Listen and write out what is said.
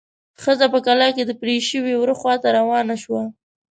ښځه په کلا کې د پرې شوي وره خواته روانه شوه.